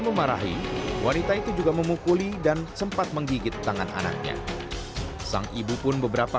memarahi wanita itu juga memukuli dan sempat menggigit tangan anaknya sang ibu pun beberapa